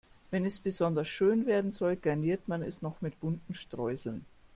Wenn es besonders schön werden soll, garniert man es noch mit bunten Streuseln.